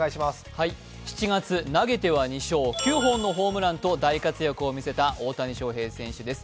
７月、投げては２勝、９本のホームランと大活躍を見せた大谷翔平選手です。